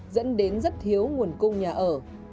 dẫn đến rất thiếu nguồn cung nhà ở